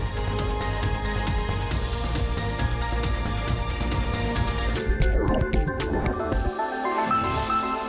วันนี้ถามน้องตรงลาไปก่อนสวัสดีค่ะ